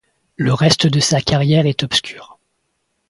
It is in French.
Le reste de sa carrière est obscur.